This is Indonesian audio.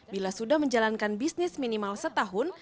bila sudah menjalankan bisnis minimal setahun